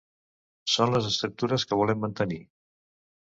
Són les estructures que volem mantenir.